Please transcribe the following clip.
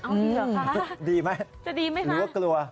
เอางี้เหรอคะดีไหมจะดีไหมคะหรือว่ากลัว